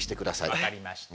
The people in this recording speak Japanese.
わかりました。